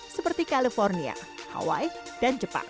seperti california hawaii dan jepang